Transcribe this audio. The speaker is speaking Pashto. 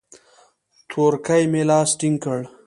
تورکي مې لاس ټينگ کړ.